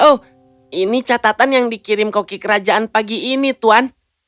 oh ini catatan yang dikirim koki kerajaan pagi ini tuan